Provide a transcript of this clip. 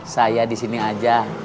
saya di sini aja